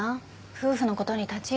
夫婦のことに立ち入るのは。